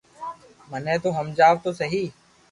مني تو ھمجاو تو سھي